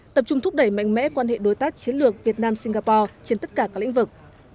tập trung thúc đẩy mạnh mẽ quan hệ đối tác chiến lược việt nam singapore trên tất cả các lĩnh vực